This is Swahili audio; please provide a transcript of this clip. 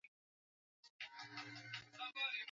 Kiasi cha shilingi milioni tatu pesa za Uingereza